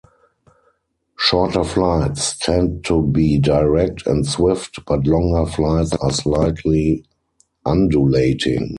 Shorter flights tend to be direct and swift, but longer flights are slightly undulating.